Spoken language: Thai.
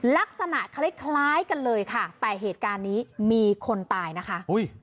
ลักษณะคล้ายคล้ายกันเลยค่ะแต่เหตุการณ์นี้มีคนตายนะคะ